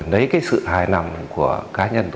đấy sự hài nằm của cá nhân